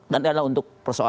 dan adalah untuk